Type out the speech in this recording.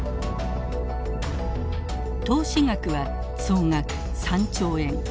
投資額は総額３兆円。